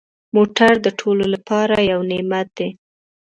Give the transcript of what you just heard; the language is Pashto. موټر د ټولو لپاره یو نعمت دی.